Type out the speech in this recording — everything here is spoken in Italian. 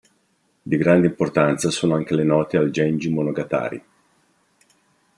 Di grande importanza sono anche le note al "Genji monogatari".